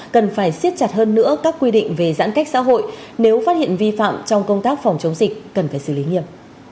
cần phải siết chặt hơn nữa các quy định về giãn cách xã hội nếu phát hiện vi phạm trong công tác phòng chống dịch cần phải xử lý nghiệp